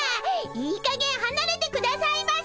いいかげんはなれてくださいませ！